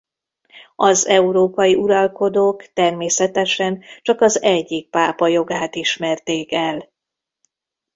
Az európai uralkodók természetesen csak az egyik pápa jogát ismerték el.